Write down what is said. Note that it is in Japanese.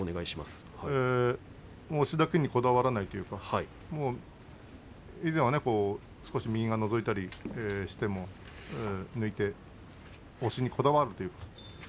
押しだけにこだわらないというか以前は少し右がのぞいたりしても抜いて押しにこだわるという。